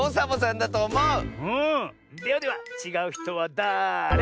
ではでは「ちがうひとはだれ？」